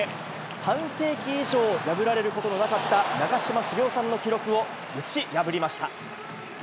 半世紀以上、破られることのなかった長嶋茂雄さんの記録を打ち破りました。